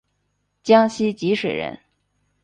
江西吉水人。